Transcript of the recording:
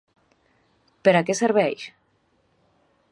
Per a què serveix?